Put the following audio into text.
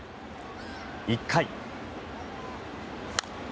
１回。